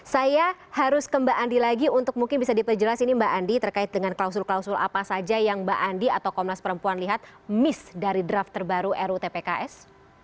saya harus ke mbak andi lagi untuk mungkin bisa diperjelas ini mbak andi terkait dengan klausul klausul apa saja yang mbak andi atau komnas perempuan lihat miss dari draft terbaru rutpks